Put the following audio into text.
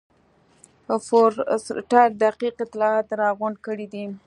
فورسټر دقیق اطلاعات راغونډ کړي دي.